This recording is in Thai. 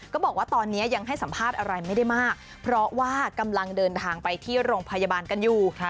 บอกว่าตอนนี้ยังให้สัมภาษณ์อะไรไม่ได้มากเพราะว่ากำลังเดินทางไปที่โรงพยาบาลกันอยู่